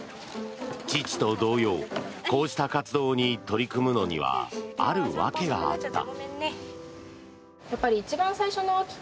父と同様こうした活動に取り組むのにはある訳があった。